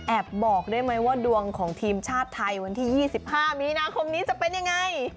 แอบบอกว่าดวงของทีมชาติไทยวันที่๒๕มีนาคมจะเป็นยังไง